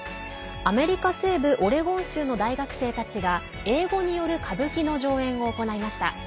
アメリカ西部オレゴン州の大学生たちが英語による歌舞伎の上演を行いました。